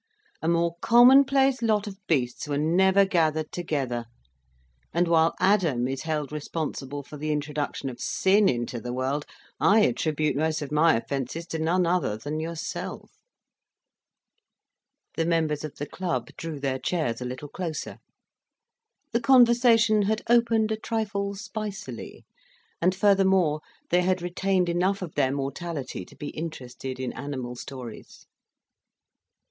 A more commonplace lot of beasts were never gathered together, and while Adam is held responsible for the introduction of sin into the world, I attribute most of my offences to none other than yourself." The members of the club drew their chairs a little closer. The conversation had opened a trifle spicily, and, furthermore, they had retained enough of their mortality to be interested in animal stories.